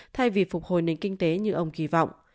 thay vì phục hồi nền kinh tế như ông kỳ vọng